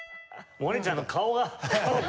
百音ちゃんの顔が。